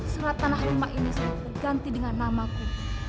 selatanah rumah ini sudah terganti dengan namaku